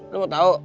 lo mau tau